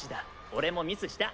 俺もミスした。